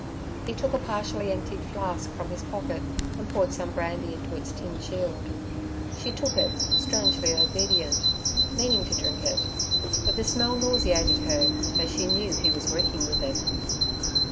He took a partially emptied flask from his pocket and poured some brandy into its tin shield. She took it, strangely obedient, meaning to drink it; but the smell nauseated her, though she knew he was reeking with it.